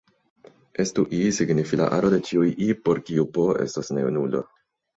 Estu "I" signifi la aro de ĉiuj "i" por kiu "p" estas ne nulo.